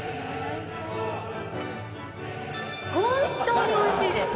本当においしいです。